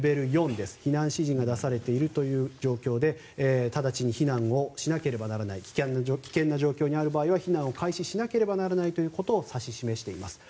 避難指示が出されているという状況で直ちに避難をしなければならない危険な状況にある場合は避難を開始しなければならないということを指し示しています。